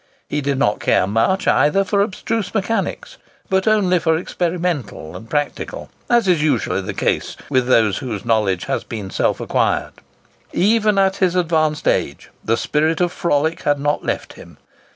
He did not care much, either, for abstruse mechanics, but only for the experimental and practical, as is usually the case with those whose knowledge has been self acquired. Even at his advanced age, the spirit of frolic had not left him.